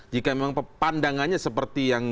jika memang pandangannya seperti yang